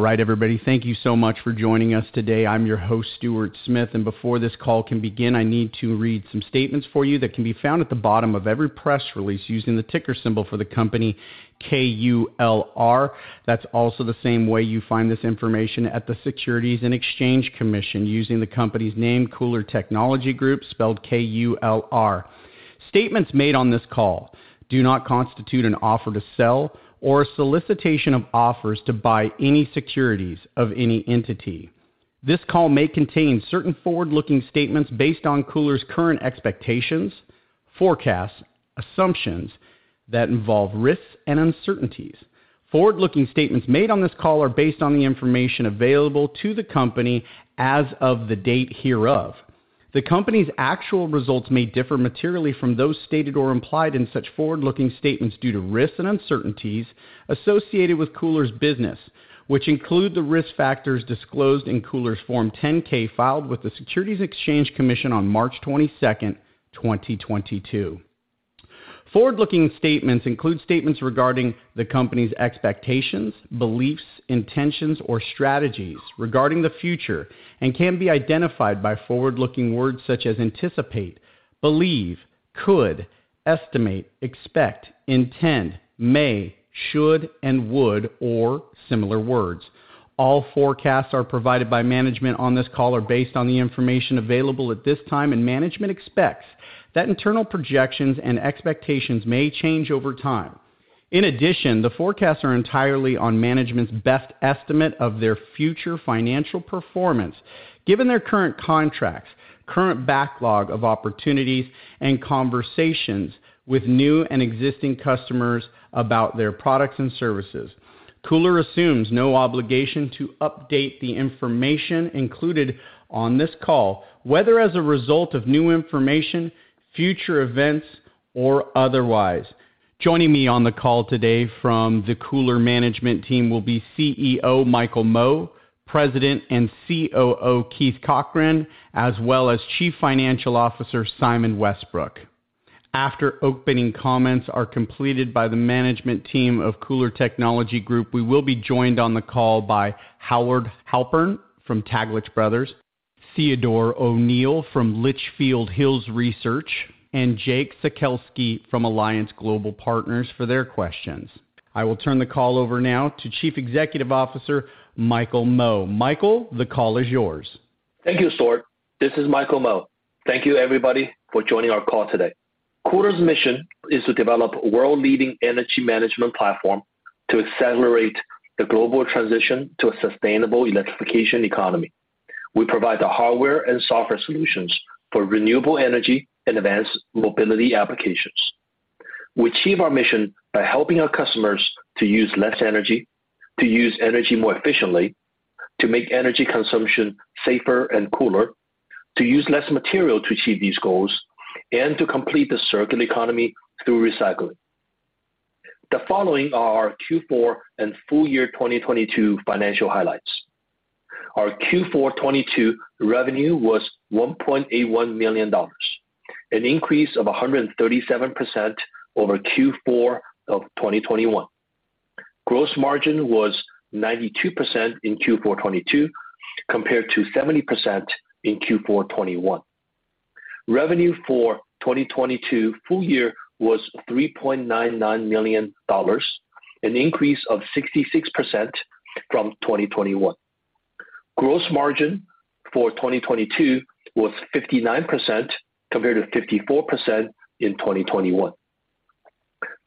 All right, everybody. Thank you so much for joining us today. I'm your host, Stuart Smith, and before this call can begin, I need to read some statements for you that can be found at the bottom of every press release using the ticker symbol for the company KULR. That's also the same way you find this information at the Securities and Exchange Commission using the company's name, KULR Technology Group, spelled KULR. Statements made on this call do not constitute an offer to sell or a solicitation of offers to buy any securities of any entity. This call may contain certain forward-looking statements based on KULR's current expectations, forecasts, assumptions that involve risks and uncertainties. Forward-looking statements made on this call are based on the information available to the company as of the date hereof. The company's actual results may differ materially from those stated or implied in such forward-looking statements due to risks and uncertainties associated with KULR's business, which include the risk factors disclosed in KULR's Form 10-K filed with the Securities and Exchange Commission on March 22nd, 2022. Forward-looking statements include statements regarding the company's expectations, beliefs, intentions, or strategies regarding the future, and can be identified by forward-looking words such as anticipate, believe, could, estimate, expect, intend, may, should, and would, or similar words. All forecasts are provided by management on this call are based on the information available at this time. Management expects that internal projections and expectations may change over time. The forecasts are entirely on management's best estimate of their future financial performance, given their current contracts, current backlog of opportunities, and conversations with new and existing customers about their products and services. KULR assumes no obligation to update the information included on this call, whether as a result of new information, future events, or otherwise. Joining me on the call today from the KULR management team will be CEO Michael Mo, President and COO Keith Cochran, as well as Chief Financial Officer Simon Westbrook. After opening comments are completed by the management team of KULR Technology Group, we will be joined on the call by Howard Halpern from Taglich Brothers, Theodore O'Neill from Litchfield Hills Research, and Jake Sekelsky from Alliance Global Partners for their questions. I will turn the call over now to Chief Executive Officer Michael Mo. Michael, the call is yours. Thank you, Stuart. This is Michael Mo. Thank you, everybody, for joining our call today. KULR's mission is to develop world-leading energy management platform to accelerate the global transition to a sustainable electrification economy. We provide the hardware and software solutions for renewable energy and advanced mobility applications. We achieve our mission by helping our customers to use less energy, to use energy more efficiently, to make energy consumption safer and cooler, to use less material to achieve these goals, and to complete the circular economy through recycling. The following are our Q4 and full year 2022 financial highlights. Our Q4 2022 revenue was $1.81 million, an increase of 137% over Q4 of 2021. Gross margin was 92% in Q4 2022, compared to 70% in Q4 2021. Revenue for 2022 full year was $3.99 million, an increase of 66% from 2021. Gross margin for 2022 was 59% compared to 54% in 2021.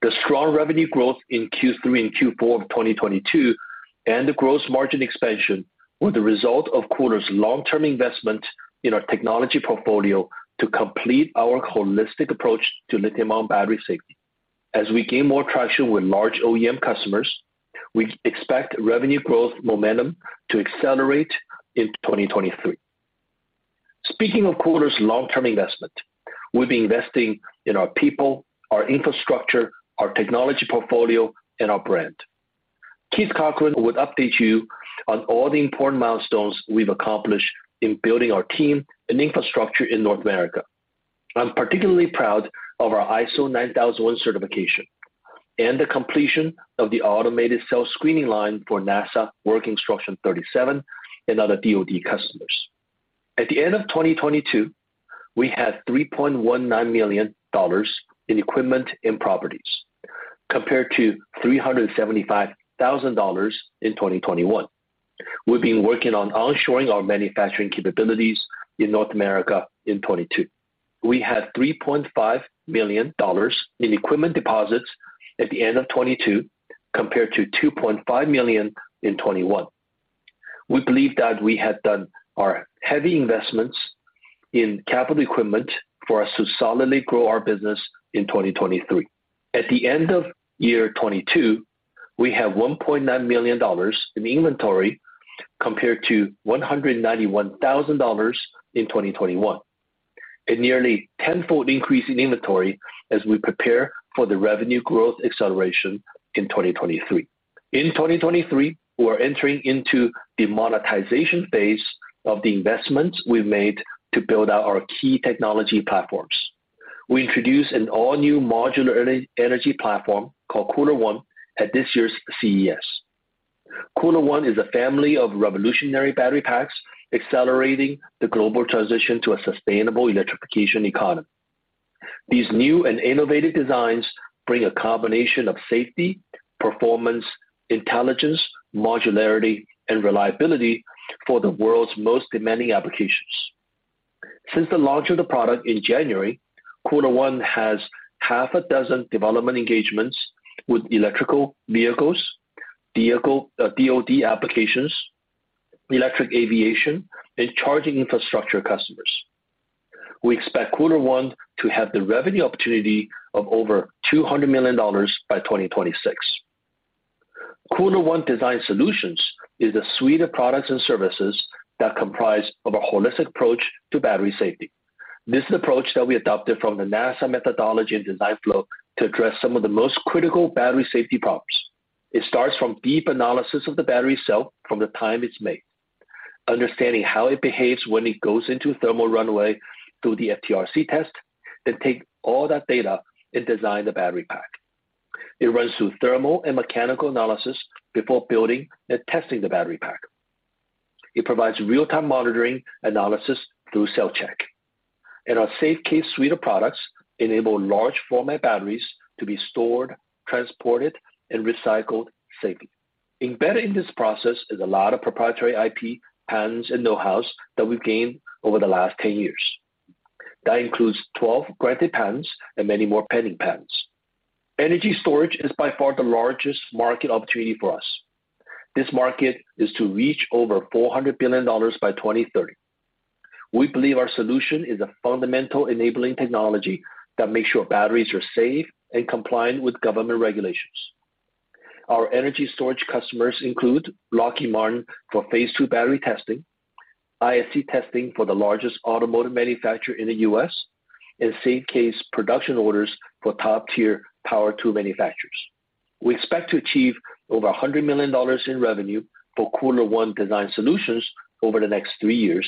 The strong revenue growth in Q3 and Q4 of 2022 and the gross margin expansion were the result of KULR's long-term investment in our technology portfolio to complete our holistic approach to lithium-ion battery safety. As we gain more traction with large OEM customers, we expect revenue growth momentum to accelerate in 2023. Speaking of KULR's long-term investment, we'll be investing in our people, our infrastructure, our technology portfolio, and our brand. Keith Cochran will update you on all the important milestones we've accomplished in building our team and infrastructure in North America. I'm particularly proud of our ISO 9001 certification and the completion of the automated cell screening line for NASA Work Instruction 37 and other DoD customers. At the end of 2022, we had $3.19 million in equipment and properties, compared to $375,000 in 2021. We've been working on onshoring our manufacturing capabilities in North America in 2022. We had $3.5 million in equipment deposits at the end of 2022, compared to $2.5 million in 2021. We believe that we have done our heavy investments in capital equipment for us to solidly grow our business in 2023. At the end of year 2022, we have $1.9 million in inventory compared to $191,000 in 2021. A nearly tenfold increase in inventory as we prepare for the revenue growth acceleration in 2023. In 2023, we're entering into the monetization phase of the investments we've made to build out our key technology platforms. We introduce an all-new modular energy platform called KULR ONE at this year's CES. KULR ONE is a family of revolutionary battery packs accelerating the global transition to a sustainable electrification economy. These new and innovative designs bring a combination of safety, performance, intelligence, modularity, and reliability for the world's most demanding applications. Since the launch of the product in January, KULR ONE has half a dozen development engagements with electrical vehicles, DoD applications, electric aviation and charging infrastructure customers. We expect KULR ONE to have the revenue opportunity of over $200 million by 2026. KULR ONE Design Solutions is a suite of products and services that comprise of a holistic approach to battery safety. This is approach that we adopted from the NASA methodology and design flow to address some of the most critical battery safety problems. It starts from deep analysis of the battery cell from the time it's made, understanding how it behaves when it goes into thermal runaway through the FTRC test, then take all that data and design the battery pack. It runs through thermal and mechanical analysis before building and testing the battery pack. It provides real-time monitoring analysis through CellCheck. Our SafeCASE suite of products enable large format batteries to be stored, transported, and recycled safely. Embedded in this process is a lot of proprietary IP, patents, and know-hows that we've gained over the last 10 years. That includes 12 granted patents and many more pending patents. Energy storage is by far the largest market opportunity for us. This market is to reach over $400 billion by 2030. We believe our solution is a fundamental enabling technology that makes sure batteries are safe and compliant with government regulations. Our energy storage customers include Lockheed Martin for phase II battery testing, ISC testing for the largest automotive manufacturer in the U.S., and SafeCASE production orders for top-tier power tool manufacturers. We expect to achieve over $100 million in revenue for KULR ONE Design Solutions over the next three years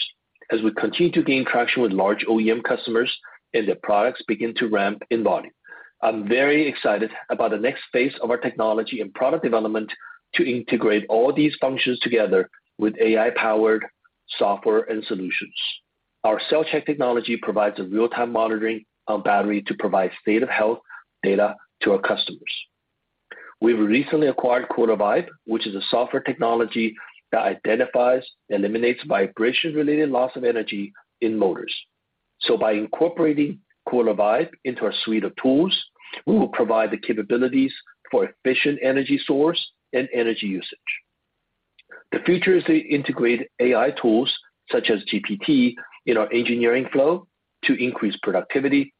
as we continue to gain traction with large OEM customers and their products begin to ramp in volume. I'm very excited about the next phase of our technology and product development to integrate all these functions together with AI-powered software and solutions. Our CellCheck technology provides a real-time monitoring of battery to provide state of health data to our customers. We've recently acquired KULR VIBE, which is a software technology that identifies, eliminates vibration-related loss of energy in motors. By incorporating KULR VIBE into our suite of tools, we will provide the capabilities for efficient energy source and energy usage. The future is to integrate AI tools such as GPT in our engineering flow to increase productivity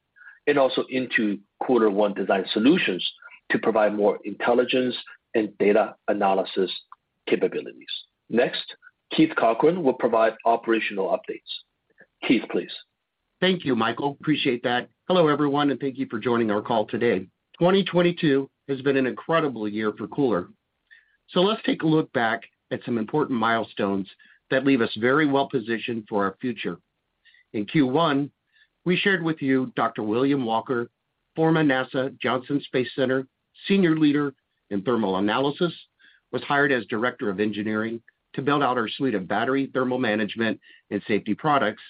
and also into KULR ONE Design Solutions to provide more intelligence and data analysis capabilities. Next, Keith Cochran will provide operational updates. Keith, please. Thank you, Michael. Appreciate that. Hello, everyone, and thank you for joining our call today. 2022 has been an incredible year for KULR. Let's take a look back at some important milestones that leave us very well positioned for our future. In Q1, we shared with you Dr. William Walker, former NASA Johnson Space Center senior leader in thermal analysis, was hired as Director of Engineering to build out our suite of battery thermal management and safety products,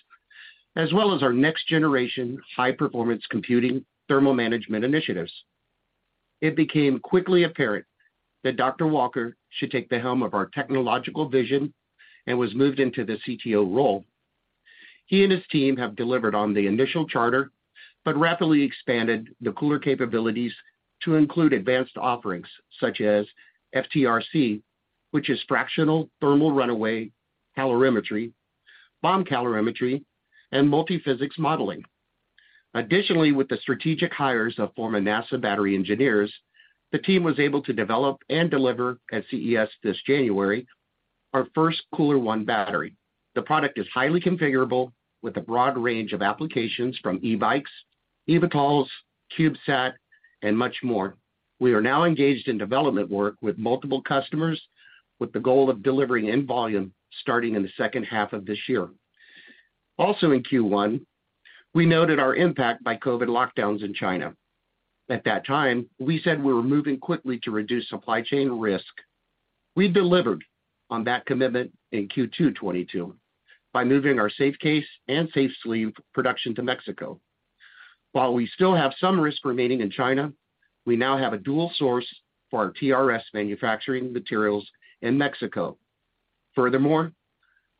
as well as our next generation high-performance computing thermal management initiatives. It became quickly apparent that Dr. Walker should take the helm of our technological vision and was moved into the CTO role. He and his team have delivered on the initial charter, but rapidly expanded the KULR capabilities to include advanced offerings such as FTRC, which is Fractional Thermal Runaway Calorimetry, bomb calorimetry, and multiphysics modeling. With the strategic hires of former NASA battery engineers, the team was able to develop and deliver at CES this January, our first KULR ONE battery. The product is highly configurable with a broad range of applications from e-bikes, eVTOLs, CubeSat, and much more. We are now engaged in development work with multiple customers with the goal of delivering in volume starting in the second half of this year. In Q1, we noted our impact by COVID lockdowns in China. At that time, we said we were moving quickly to reduce supply chain risk. We delivered on that commitment in Q2 2022 by moving our SafeCASE and SafeSLEEVE production to Mexico. While we still have some risk remaining in China, we now have a dual source for our TRS manufacturing materials in Mexico. Furthermore,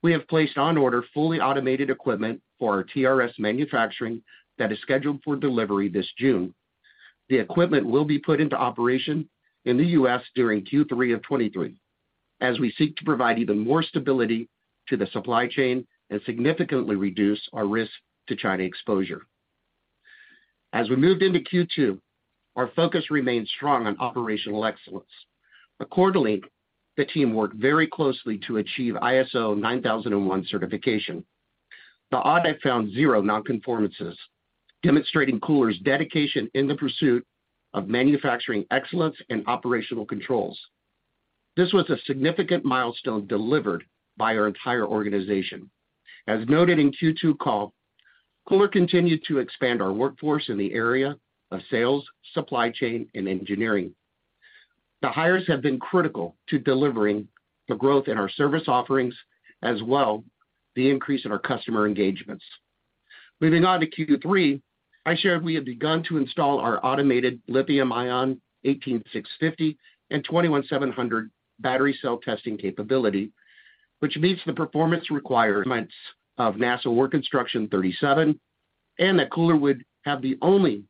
we have placed on order fully automated equipment for our TRS manufacturing that is scheduled for delivery this June. The equipment will be put into operation in the U.S. during Q3 of 2023 as we seek to provide even more stability to the supply chain and significantly reduce our risk to China exposure. As we moved into Q2, our focus remained strong on operational excellence. Accordingly, the team worked very closely to achieve ISO 9001 certification. The audit found zero non-conformances, demonstrating KULR's dedication in the pursuit of manufacturing excellence and operational controls. This was a significant milestone delivered by our entire organization. As noted in Q2 call, KULR continued to expand our workforce in the area of sales, supply chain, and engineering. The hires have been critical to delivering the growth in our service offerings, as well the increase in our customer engagements. Moving on to Q3, I shared we have begun to install our automated lithium-ion 18650 and 21700 battery cell testing capability, which meets the performance requirements of NASA Work Instruction 37, and that KULR would have the only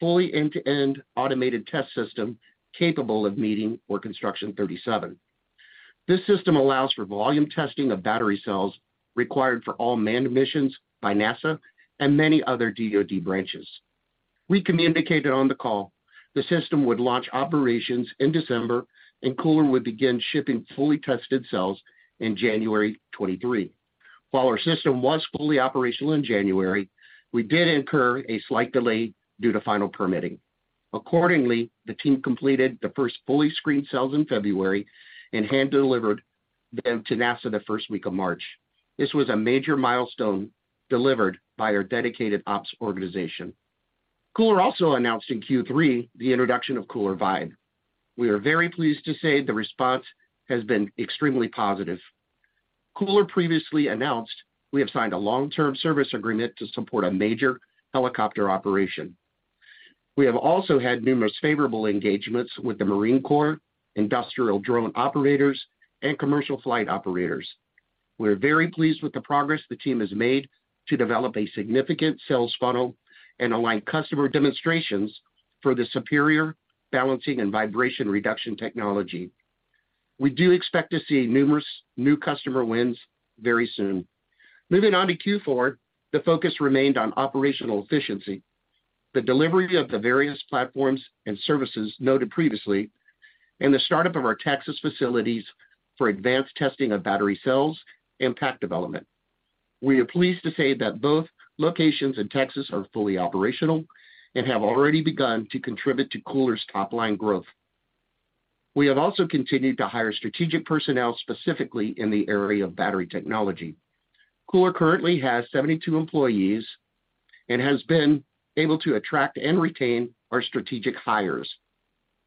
fully end-to-end automated test system capable of meeting Work Instruction 37. This system allows for volume testing of battery cells required for all manned missions by NASA and many other DoD branches. We communicated on the call the system would launch operations in December, and KULR would begin shipping fully tested cells in January 2023. While our system was fully operational in January, we did incur a slight delay due to final permitting. Accordingly, the team completed the first fully screened cells in February and hand-delivered them to NASA the first week of March. This was a major milestone delivered by our dedicated ops organization. KULR also announced in Q3 the introduction of KULR VIBE. We are very pleased to say the response has been extremely positive. KULR previously announced we have signed a long-term service agreement to support a major helicopter operation. We have also had numerous favorable engagements with the Marine Corps, industrial drone operators, and commercial flight operators. We're very pleased with the progress the team has made to develop a significant sales funnel and align customer demonstrations for the superior balancing and vibration reduction technology. We do expect to see numerous new customer wins very soon. Moving on to Q4, the focus remained on operational efficiency, the delivery of the various platforms and services noted previously, and the startup of our Texas facilities for advanced testing of battery cells and pack development. We are pleased to say that both locations in Texas are fully operational and have already begun to contribute to KULR's top-line growth. We have also continued to hire strategic personnel, specifically in the area of battery technology. KULR currently has 72 employees and has been able to attract and retain our strategic hires.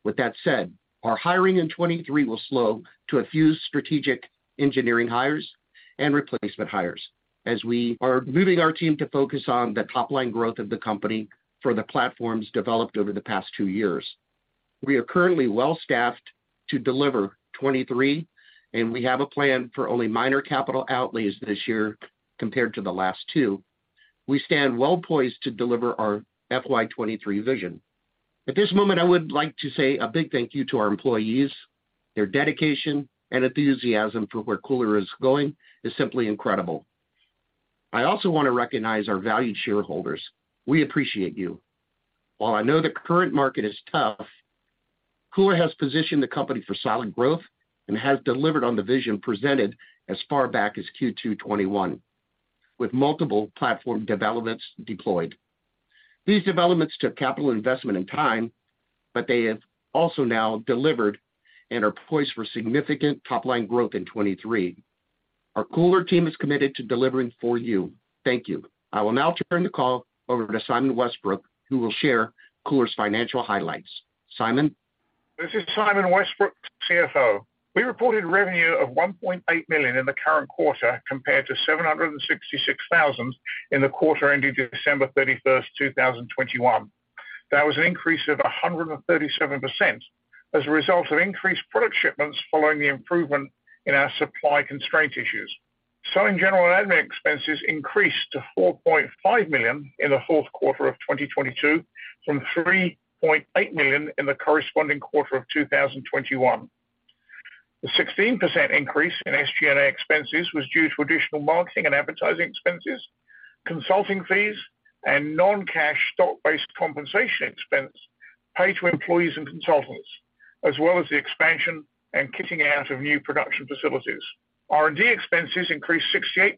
With that said, our hiring in 2023 will slow to a few strategic engineering hires and replacement hires as we are moving our team to focus on the top-line growth of the company for the platforms developed over the past three years. We are currently well-staffed to deliver 2023, and we have a plan for only minor capital outlays this year compared to the last two. We stand well poised to deliver our FY 2023 vision. At this moment, I would like to say a big thank you to our employees. Their dedication and enthusiasm for where KULR is going is simply incredible. I also wanna recognize our valued shareholders. We appreciate you. While I know the current market is tough, KULR has positioned the company for solid growth and has delivered on the vision presented as far back as Q2 2021, with multiple platform developments deployed. These developments took capital investment and time, but they have also now delivered and are poised for significant top-line growth in 2023. Our KULR team is committed to delivering for you. Thank you. I will now turn the call over to Simon Westbrook, who will share KULR's financial highlights. Simon? This is Simon Westbrook, CFO. We reported revenue of $1.8 million in the current quarter compared to $766,000 in the quarter ending December 31st, 2021. That was an increase of 137% as a result of increased product shipments following the improvement in our supply constraint issues. Selling, general, and admin expenses increased to $4.5 million in the fourth quarter of 2022 from $3.8 million in the corresponding quarter of 2021. The 16% increase in SG&A expenses was due to additional marketing and advertising expenses, consulting fees, and non-cash stock-based compensation expense paid to employees and consultants, as well as the expansion and kitting out of new production facilities. R&D expenses increased 68%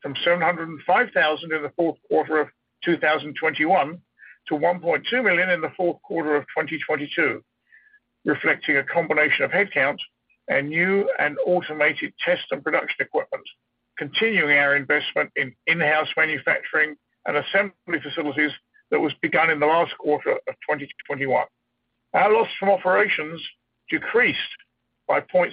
from $705,000 in Q4 2021 to $1.2 million in Q4 2022, reflecting a combination of headcount and new and automated test and production equipment, continuing our investment in in-house manufacturing and assembly facilities that was begun in Q4 2021. Our loss from operations decreased by 0.6%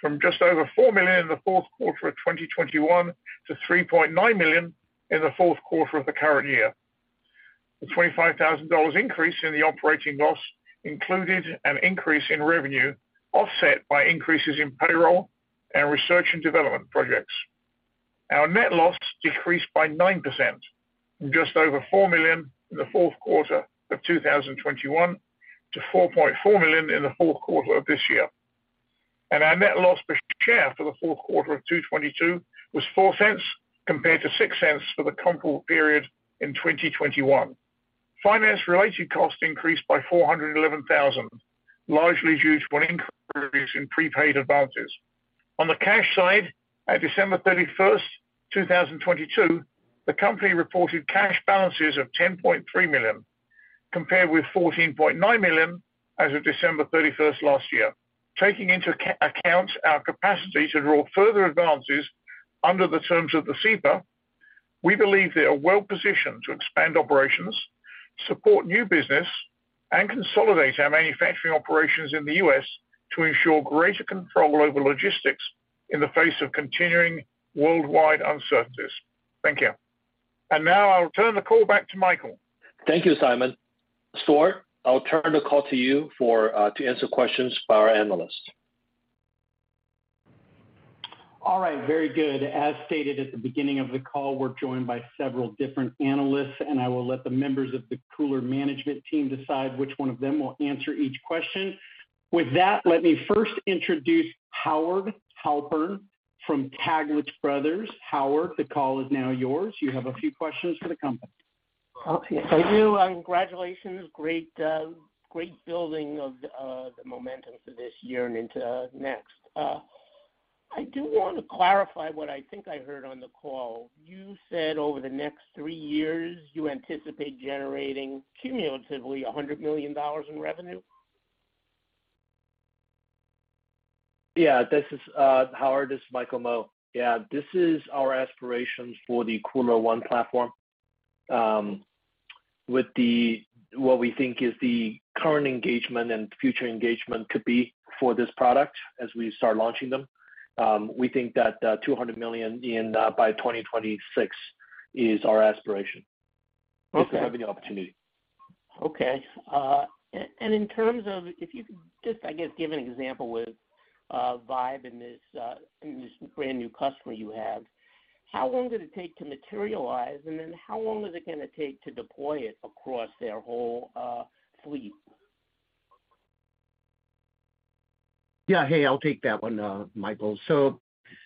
from just over $4 million in Q4 2021 to $3.9 million in the fourth quarter of the current year. The $25,000 increase in the operating loss included an increase in revenue, offset by increases in payroll and research and development projects. Our net loss decreased by 9% from just over $4 million in the fourth quarter of 2021 to $4.4 million in the fourth quarter of this year. Our net loss per share for the fourth quarter of 2022 was $0.04 compared to $0.06 for the comparable period in 2021. Finance-related costs increased by $411,000, largely due to an increase in prepaid advances. On the cash side, at December 31st, 2022, the company reported cash balances of $10.3 million, compared with $14.9 million as of December 31st last year. Taking into account our capacity to draw further advances under the terms of the CIPA, we believe they are well-positioned to expand operations, support new business, and consolidate our manufacturing operations in the U.S. to ensure greater control over logistics in the face of continuing worldwide uncertainties. Thank you. Now I'll turn the call back to Michael. Thank you, Simon. Stuart, I'll turn the call to you for, to answer questions for our analysts. All right. Very good. As stated at the beginning of the call, we're joined by several different analysts, and I will let the members of the KULR management team decide which one of them will answer each question. With that, let me first introduce Howard Halpern from Taglich Brothers. Howard, the call is now yours. You have a few questions for the company. Okay. I do. Congratulations. Great, great building of the momentum for this year and into next. I do wanna clarify what I think I heard on the call. You said over the next three years you anticipate generating cumulatively $100 million in revenue? This is Howard, this is Michael Mo. This is our aspirations for the KULR ONE platform. With what we think is the current engagement and future engagement could be for this product as we start launching them. We think that $200 million by 2026 is our aspiration. Okay. If we have any opportunity. Okay. In terms of... If you could just, I guess, give an example with VIBE and this brand new customer you have. How long did it take to materialize, and then how long is it gonna take to deploy it across their whole fleet? Yeah. Hey, I'll take that one, Michael.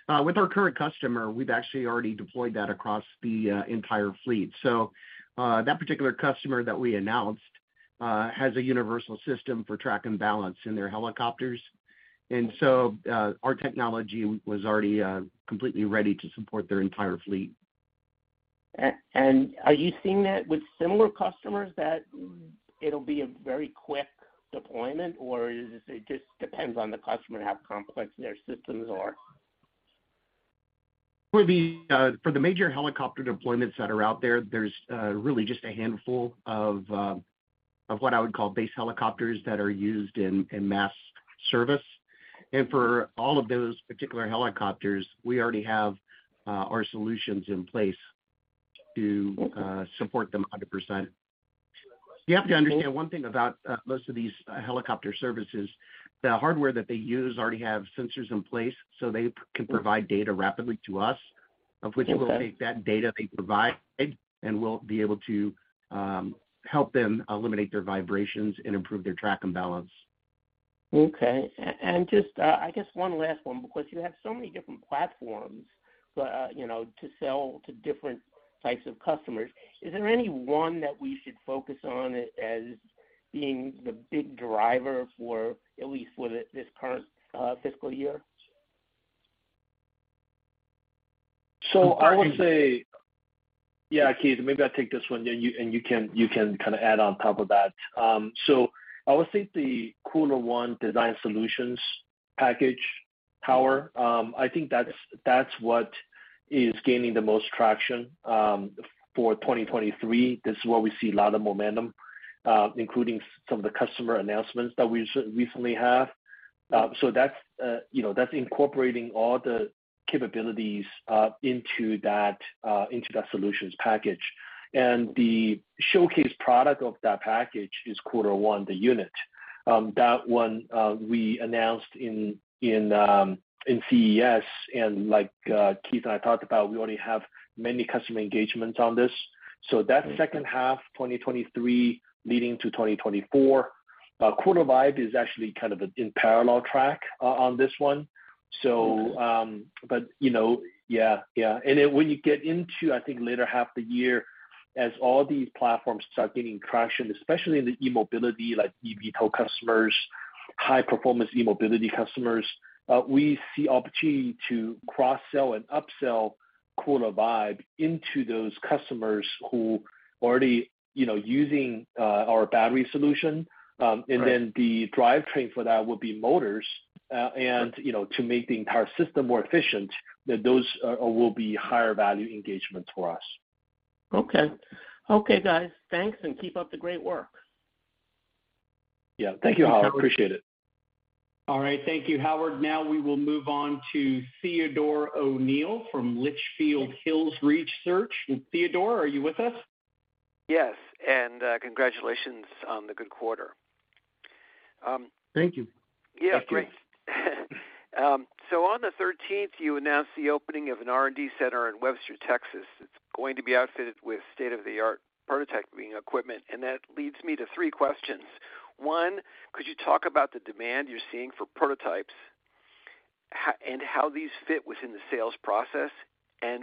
With our current customer, we've actually already deployed that across the entire fleet. That particular customer that we announced has a universal system for track and balance in their helicopters. Our technology was already completely ready to support their entire fleet. Are you seeing that with similar customers, that it'll be a very quick deployment, or is it just depends on the customer, how complex their systems are? For the, for the major helicopter deployments that are out there's really just a handful of what I would call base helicopters that are used in mass service. For all of those particular helicopters, we already have our solutions in place to support them 100%. You have to understand one thing about most of these helicopter services. The hardware that they use already have sensors in place, so they can provide data rapidly to us. Okay. Of which we'll take that data they provide, and we'll be able to help them eliminate their vibrations and improve their track and balance. Okay. Just, I guess one last one, because you have so many different platforms, but, you know, to sell to different types of customers. Is there any one that we should focus on as being the big driver for at least for this current fiscal year? I would say. Yeah, Keith, maybe I take this one. You, and you can kinda add on top of that. I would think the KULR ONE Design Solutions package, Howard, I think that's what is gaining the most traction for 2023. This is where we see a lot of momentum, including some of the customer announcements that we recently have. That's, you know, that's incorporating all the capabilities into that solutions package. The showcase product of that package is KULR ONE, the unit. That one we announced in CES. Like, Keith and I talked about, we already have many customer engagements on this. That's second half 2023 leading to 2024. KULR VIBE is actually kind of in parallel track on this one. you know, yeah. When you get into, I think, later half the year, as all these platforms start gaining traction, especially in the e-mobility like eVTOL customers, high performance e-mobility customers, we see opportunity to cross-sell and upsell KULR VIBE into those customers who already, you know, using our battery solution. The drivetrain for that would be motors. you know, to make the entire system more efficient, those will be higher value engagements for us. Okay. Okay, guys. Thanks. Keep up the great work. Yeah. Thank you, Howard. Appreciate it. All right. Thank you, Howard. We will move on to Theodore O'Neill from Litchfield Hills Research. Theodore, are you with us? Yes, congratulations on the good quarter. Thank you. Yeah, great. On the 13th, you announced the opening of an R&D center in Webster, Texas. It's going to be outfitted with state-of-the-art prototyping equipment, and that leads me to three questions. One, could you talk about the demand you're seeing for prototypes? How these fit within the sales process?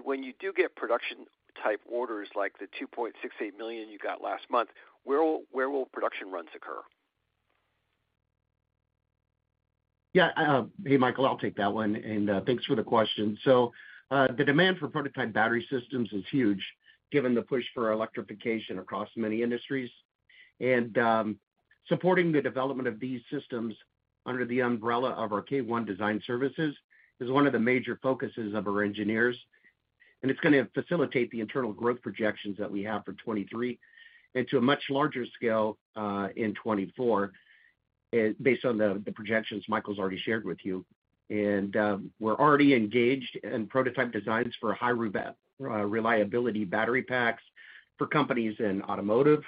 When you do get production type orders like the $2.68 million you got last month, where will production runs occur? Yeah. Hey, Michael, I'll take that one, and thanks for the question. The demand for prototype battery systems is huge given the push for electrification across many industries. Supporting the development of these systems under the umbrella of our KULR ONE design services is one of the major focuses of our engineers, and it's gonna facilitate the internal growth projections that we have for 2023, and to a much larger scale in 2024, based on the projections Michael's already shared with you. We're already engaged in prototype designs for high reliability battery packs for companies in automotive,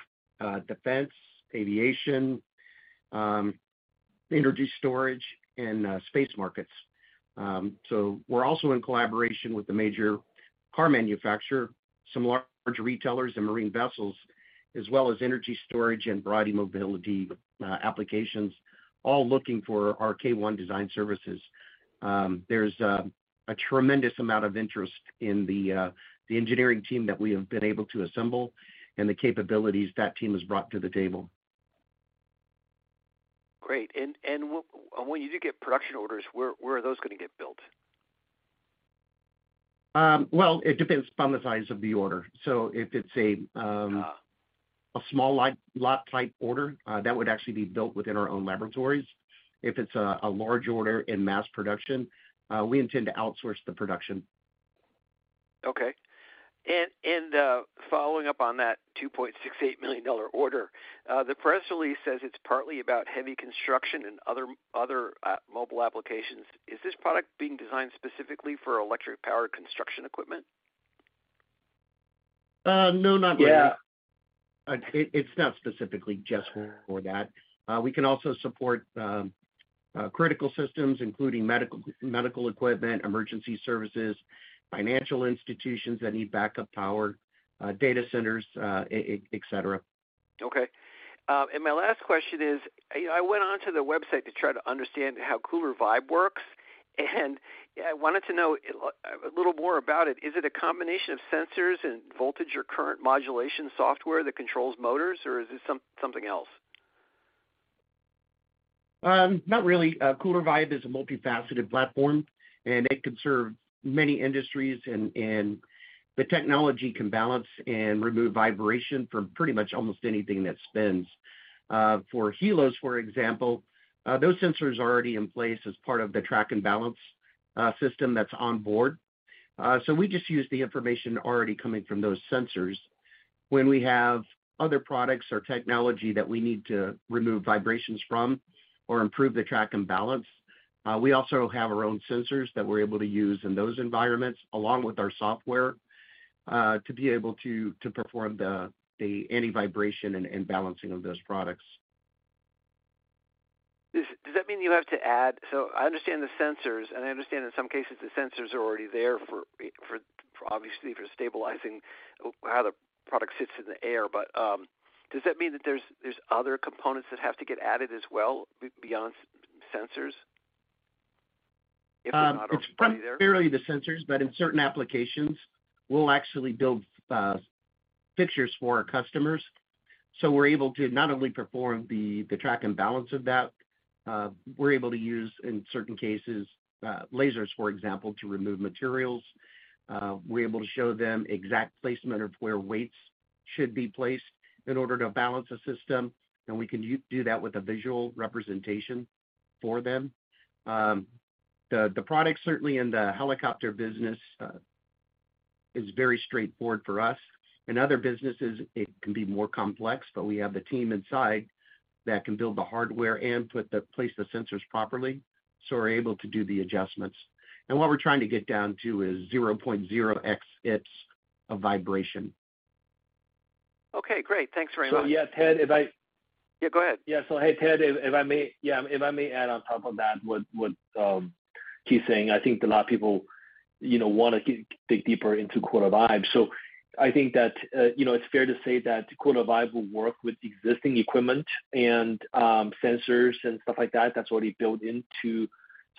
defense, aviation, energy storage, and space markets. We're also in collaboration with a major car manufacturer, some large retailers and marine vessels, as well as energy storage and variety mobility applications, all looking for our KULR ONE design services. There's a tremendous amount of interest in the engineering team that we have been able to assemble and the capabilities that team has brought to the table. Great. When you do get production orders, where are those gonna get built? Well, it depends upon the size of the order. If it's a small lot type order, that would actually be built within our own laboratories. If it's a large order in mass production, we intend to outsource the production. Okay. Following up on that $2.68 million order, the press release says it's partly about heavy construction and other mobile applications. Is this product being designed specifically for electric powered construction equipment? No, not really. Yeah. It's not specifically just for that. We can also support critical systems, including medical equipment, emergency services, financial institutions that need backup power, data centers, et cetera. Okay. My last question is, you know, I went onto the website to try to understand how KULR VIBE works, and I wanted to know a little more about it. Is it a combination of sensors and voltage or current modulation software that controls motors, or is it something else? Not really. KULR VIBE is a multifaceted platform, and it can serve many industries and the technology can balance and remove vibration from pretty much almost anything that spins. For helos, for example, those sensors are already in place as part of the track and balance system that's on board. We just use the information already coming from those sensors. When we have other products or technology that we need to remove vibrations from or improve the track and balance, we also have our own sensors that we're able to use in those environments along with our software to be able to perform the anti-vibration and balancing of those products. Does that mean you have to add, I understand the sensors, and I understand in some cases the sensors are already there for obviously for stabilizing how the product sits in the air, does that mean that there's other components that have to get added as well beyond sensors if they're not already there? It's primarily the sensors, but in certain applications, we'll actually build fixtures for our customers, so we're able to not only perform the track and balance of that, we're able to use, in certain cases, lasers, for example, to remove materials. We're able to show them exact placement of where weights should be placed in order to balance a system, and we can do that with a visual representation for them. The product certainly in the helicopter business is very straightforward for us. In other businesses it can be more complex, but we have the team inside that can build the hardware and place the sensors properly, so we're able to do the adjustments. What we're trying to get down to is 0.0X IPS of vibration. Okay, great. Thanks very much. Yeah, Ted. Yeah, go ahead. Hey, Ted, if I may, yeah, if I may add on top of that what Keith's saying, I think a lot of people, you know, wanna dig deeper into KULR VIBE. I think that, you know, it's fair to say that KULR VIBE will work with existing equipment and sensors and stuff like that that's already built into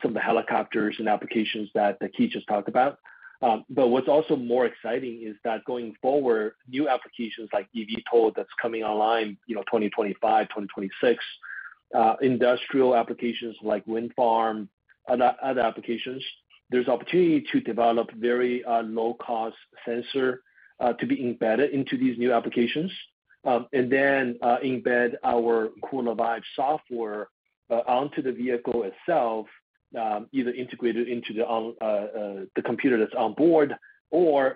some of the helicopters and applications that Keith just talked about. What's also more exciting is that going forward, new applications like eVTOL that's coming online, you know, 2025, 2026, industrial applications like wind farm and other applications, there's opportunity to develop very low cost sensor to be embedded into these new applications. Embed our KULR VIBE software onto the vehicle itself, either integrated into the computer that's on board or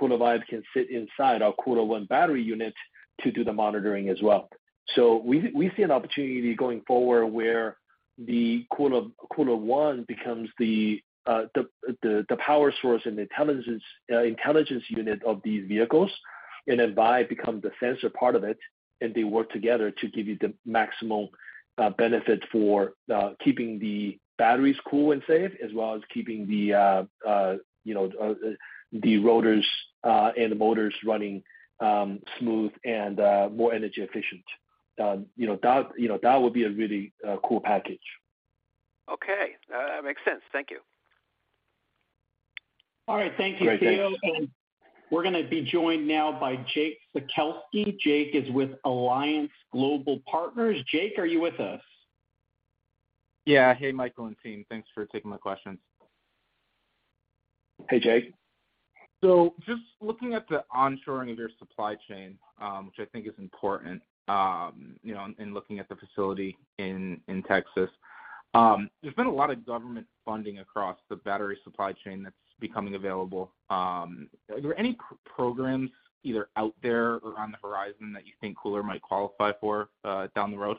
KULR VIBE can sit inside our KULR ONE battery units to do the monitoring as well. We see an opportunity going forward where KULR ONE becomes the power source and intelligence unit of these vehicles, and then KULR VIBE becomes the sensor part of it, and they work together to give you the maximum benefit for keeping the batteries cool and safe, as well as keeping the, you know, the rotors and the motors running smooth and more energy efficient. You know, that, you know, that would be a really cool package. Okay. makes sense. Thank you. All right. Thank you, Theodore. We're gonna be joined now by Jake Sekelsky. Jake is with Alliance Global Partners. Jake, are you with us? Yeah. Hey, Michael and team. Thanks for taking my questions. Hey, Jake. Just looking at the onshoring of your supply chain, which I think is important, you know, in looking at the facility in Texas. There's been a lot of government funding across the battery supply chain that's becoming available. Are there any programs either out there or on the horizon that you think KULR might qualify for down the road?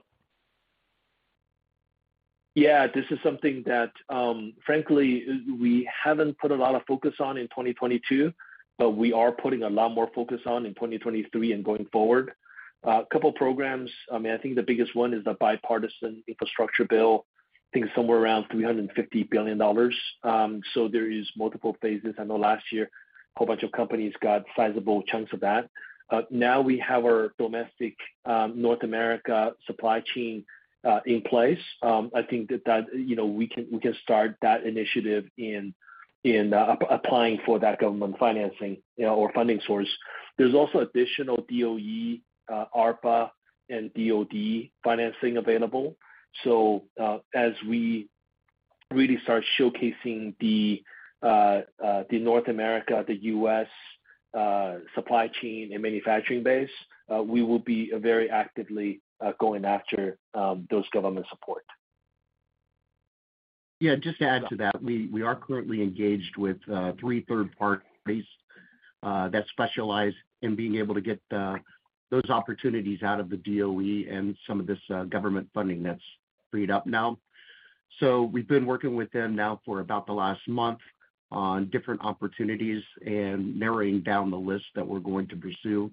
This is something that, frankly, we haven't put a lot of focus on in 2022, but we are putting a lot more focus on in 2023 and going forward. A couple programs. I mean, I think the biggest one is the bipartisan infrastructure bill. I think somewhere around $350 billion. There is multiple phases. I know last year, whole bunch of companies got sizable chunks of that. Now we have our domestic, North America supply chain in place. I think that, you know, we can start that initiative in applying for that government financing, you know, or funding source. There's also additional DOE, ARPA-E, and DoD financing available. As we really start showcasing the North America, the US, supply chain and manufacturing base, we will be very actively going after those government support. Yeah. Just to add to that, we are currently engaged with three third-party base that specialize in being able to get those opportunities out of the DOE and some of this government funding that's freed up now. We've been working with them now for about the last month on different opportunities and narrowing down the list that we're going to pursue.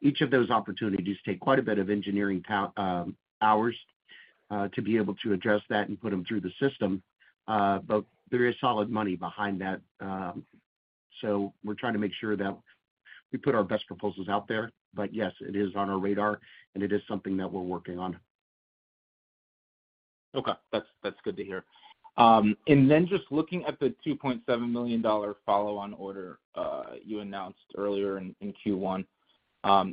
Each of those opportunities take quite a bit of engineering hours to be able to address that and put them through the system. There is solid money behind that. We're trying to make sure that we put our best proposals out there. Yes, it is on our radar, and it is something that we're working on. Okay. That's good to hear. Just looking at the $2.7 million follow-on order, you announced earlier in Q1,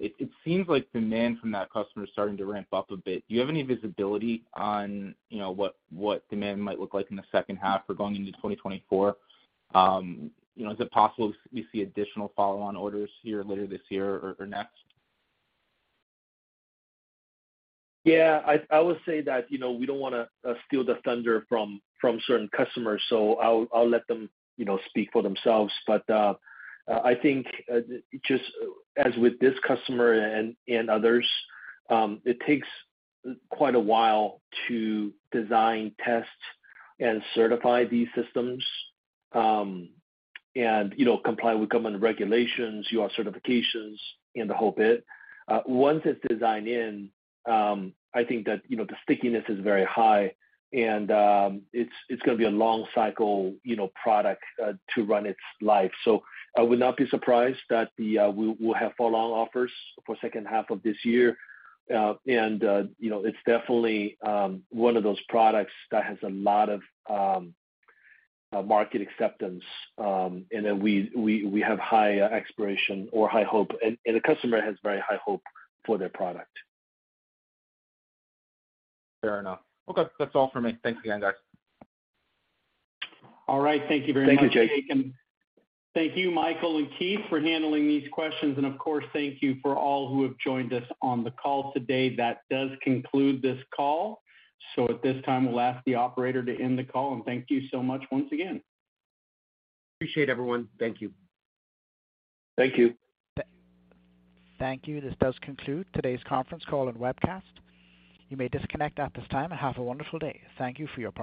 it seems like demand from that customer is starting to ramp up a bit. Do you have any visibility on, you know, what demand might look like in the second half or going into 2024? You know, is it possible we see additional follow-on orders here later this year or next? Yeah. I would say that, you know, we don't wanna steal the thunder from certain customers, so I'll let them, you know, speak for themselves. I think, just as with this customer and others, it takes quite a while to design, test, and certify these systems, and, you know, comply with government regulations, UL certifications, and the whole bit. Once it's designed in, I think that, you know, the stickiness is very high and it's gonna be a long cycle, you know, product to run its life. I would not be surprised that we'll have follow on offers for second half of this year. You know, it's definitely one of those products that has a lot of market acceptance. We have high aspiration or high hope, and the customer has very high hope for their product. Fair enough. Okay. That's all for me. Thanks again, guys. All right. Thank you very much, Jake. Thank you, Jake. Thank you, Michael and Keith, for handling these questions. Of course, thank you for all who have joined us on the call today. That does conclude this call. At this time we'll ask the operator to end the call and thank you so much once again. Appreciate, everyone. Thank you. Thank you. Thank you. This does conclude today's conference call and webcast. You may disconnect at this time and have a wonderful day. Thank you for your participation.